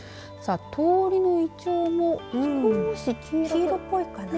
さあ、通りのいちょうも少し黄色っぽいかな。